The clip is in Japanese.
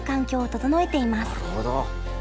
なるほど。